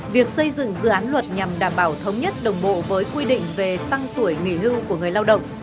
việc xây dựng dự án luật nhằm đảm bảo thống nhất đồng bộ với quy định về tăng tuổi nghỉ hưu của người lao động